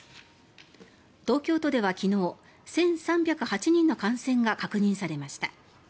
東京都では昨日１３０８人の感染が確認されました。